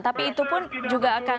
tapi itu pun juga akan